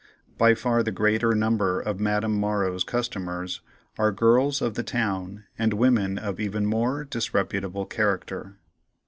By far the greater number of Madame Morrow's customers are girls of the town, and women of even more disreputable character.